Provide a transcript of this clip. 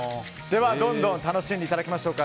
では、どんどん楽しんでいきましょう。